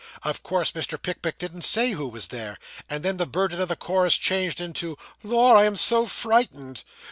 Of course Mr. Pickwick didn't say who was there: and then the burden of the chorus changed into 'Lor! I am so frightened.